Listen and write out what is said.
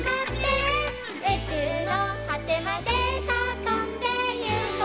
「宇宙の果てまで」「さぁ飛んでいこう」